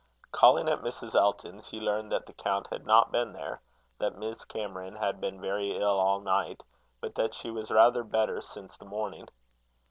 Calling at Mrs. Elton's, he learned that the count had not been there; that Miss Cameron had been very ill all night; but that she was rather better since the morning.